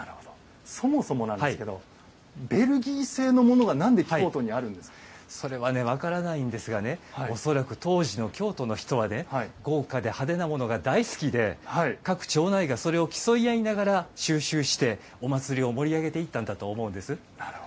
そもそもなんですがベルギー製のものがそれは、分からないんですが恐らく当時の京都の人は豪華で派手なものが大好きで各町内がそれを競い合いながら収集してお祭りを盛り上げていったんだと思うんです。